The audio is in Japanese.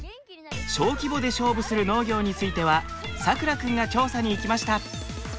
小規模で勝負する農業についてはさくら君が調査に行きました。